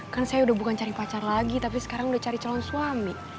kan saya udah bukan cari pacar lagi tapi sekarang udah cari calon suami